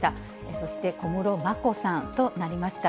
そして小室眞子さんとなりました。